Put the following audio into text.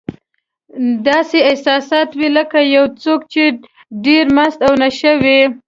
داسې احساس وي لکه یو څوک چې ډېر مست او نشه وي.